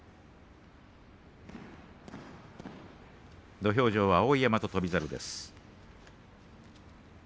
土俵上は碧山と翔猿です。